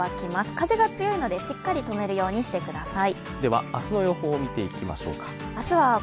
風が強いので、しっかり止めるようにしてください。